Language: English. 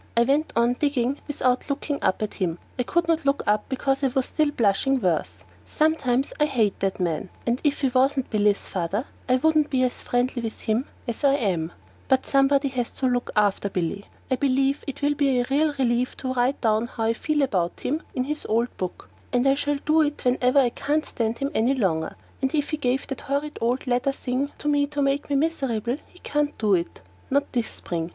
I went on digging without looking up at him. I couldn't look up because I was blushing still worse. Sometimes I hate that man, and if he wasn't Billy's father I wouldn't be as friendly with him as I am. But somebody has to look after Billy. I believe it will be a real relief to write down how I feel about him in his old book, and I shall do it whenever I can't stand him any longer; and if he gave the horrid, red leather thing to me to make me miserable he can't do it; not this spring!